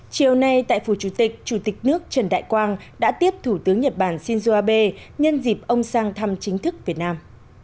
chiều nay tại phủ chủ tịch chủ tịch nước trần đại quang đã tiếp thủ tướng nhật bản shinzo abe nhân dịp ông sang thăm chính thức việt nam